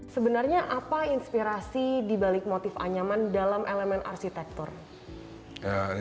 sebenarnya apa inspirasi dibalik motif anyaman dalam elemen arsitektur